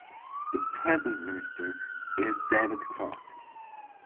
The present Minister is David Clark.